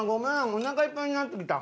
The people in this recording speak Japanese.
おなかいっぱいになってきた。